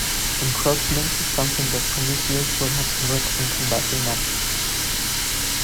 Encroachment is something that Prometheus will have to work on combating next.